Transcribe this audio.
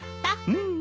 うん。